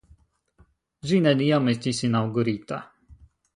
Ĝi neniam estis inaŭgurita.